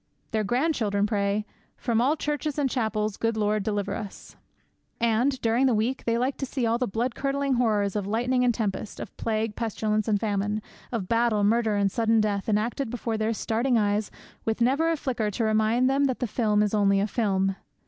Their grandchildren pray, 'From all churches and chapels, Good Lord, deliver us!' And, during the week, they like to see all the blood curdling horrors of lightning and tempest; of plague, pestilence, and famine; of battle, murder, and of sudden death, enacted before their starting eyes with never a flicker to remind them that the film is only a film.